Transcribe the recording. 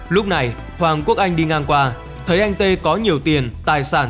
lúc này hoàng quốc anh đi ngang qua thấy anh t a t có nhiều tiền tài sản